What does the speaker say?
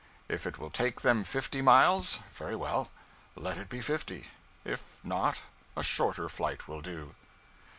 If it will take them fifty miles, very well; let it be fifty. If not, a shorter flight will do.